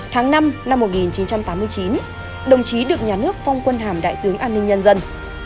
tháng năm năm một nghìn chín trăm tám mươi chín đồng chí được nhà nước phong quân hàm đại tướng an ninh nhân dân